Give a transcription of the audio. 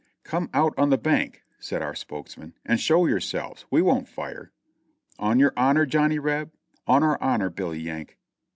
"Come out on the bank," said our spokesman, "and show your selves ; we won't fire." "On your honor, Johnny Reb?" "On our honor, Billy Yank."